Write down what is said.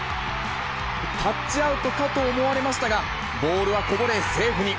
タッチアウトかと思われましたが、ボールはこぼれ、セーフに。